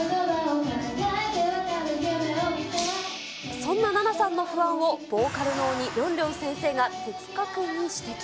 そんなナナさんの不安を、ボーカルの鬼、りょんりょん先生が的確に指摘。